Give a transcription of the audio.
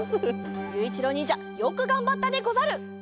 ゆういちろうにんじゃよくがんばったでござる。